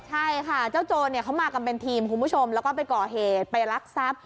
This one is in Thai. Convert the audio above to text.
ใช่ค่ะเจ้าโจรเนี่ยเขามากันเป็นทีมคุณผู้ชมแล้วก็ไปก่อเหตุไปรักทรัพย์